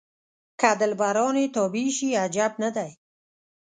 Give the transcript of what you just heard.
که دلبران یې تابع شي عجب نه دی.